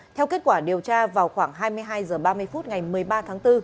theo kết quả điều tra vào khoảng hai mươi hai h ba mươi phút ngày một mươi ba tháng bốn